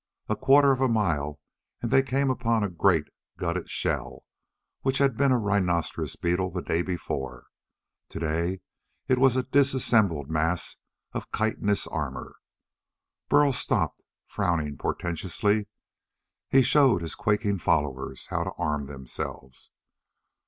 A quarter of a mile and they came upon a great, gutted shell which had been a rhinoceros beetle the day before. Today it was a disassembled mass of chitinous armor. Burl stopped, frowning portentously. He showed his quaking followers how to arm themselves.